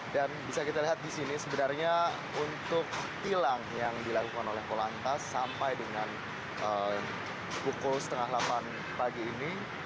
dan bisa kita lihat di sini sebenarnya untuk tilang yang dilakukan oleh kolantas sampai dengan pukul setengah delapan pagi ini